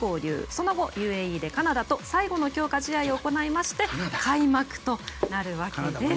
その後、ＵＡＥでカナダと最後の強化試合を行いまして開幕となるわけです。